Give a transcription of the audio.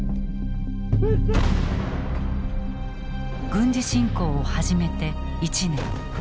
軍事侵攻を始めて１年。